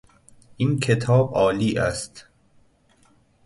این کتاب عالی است.